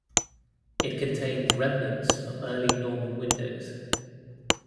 It contains remnants of Early Norman windows.